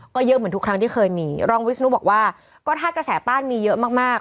ก็เยอะเหมือนทุกครั้งที่เคยมีรองวิศนุบอกว่าก็ถ้ากระแสต้านมีเยอะมากมาก